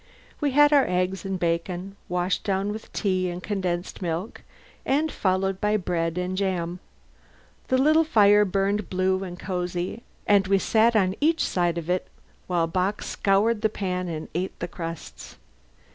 We had our eggs and bacon, washed down with tea and condensed milk, and followed by bread and jam. The little fire burned blue and cozy, and we sat on each side of it while Bock scoured the pan and ate the crusts.